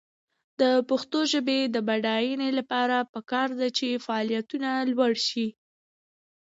د پښتو ژبې د بډاینې لپاره پکار ده چې فعالیتونه لوړ شي.